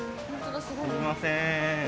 すみません。